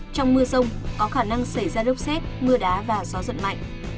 trong mưa rông có khả năng xảy ra lốc xét mưa đá và gió giật mạnh